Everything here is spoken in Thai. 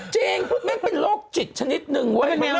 จริงแม่งเป็นโรคจิตชนิดนึง